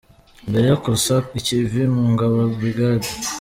Mbere yo kusa ikivi mu ngabo, Brig.